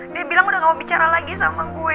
dia bilang udah gak mau bicara lagi sama gue